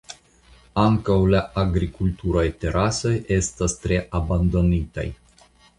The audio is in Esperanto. Ankaŭ la agrikulturaj terasoj estas tre abandonitaj.